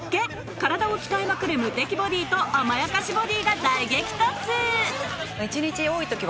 体を鍛えまくる無敵ボディと甘やかしボディが大激突多い時は。